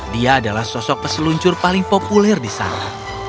dia adalah sosok peseluncur paling populer di sana